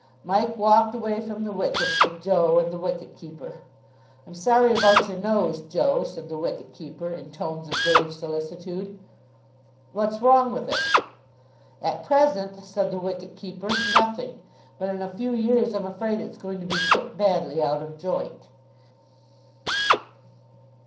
Mike walked away from the wickets with Joe and the wicket keeper. "I'm sorry about your nose, Joe," said the wicket keeper in tones of grave solicitude. "What's wrong with it?" "At present," said the wicket keeper, "nothing. But in a few years I'm afraid it's going to be put badly out of joint."